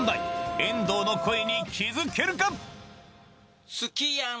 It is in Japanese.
遠藤の声に気づけるか？